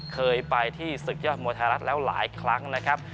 เคยไปที่ศึกยอดมวยไทยรัฐแล้วหลายครั้งนะครับ